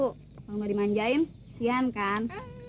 kalau gak dimanjain kesian kan